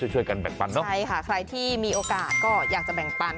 ช่วยกันแบ่งปันเนาะใช่ค่ะใครที่มีโอกาสก็อยากจะแบ่งปัน